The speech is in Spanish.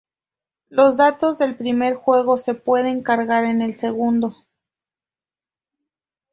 Los datos del primer juego se pueden cargar en el segundo.